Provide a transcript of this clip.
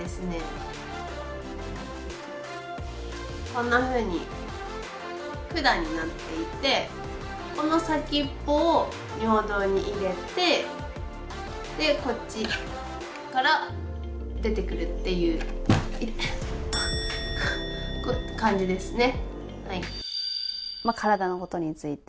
こんなふうに管になっていてこの先っぽを尿道に入れてでこっちから出てくるっていういてっ感じですね